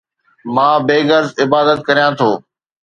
مان بي غرض عبادت ڪريان ٿو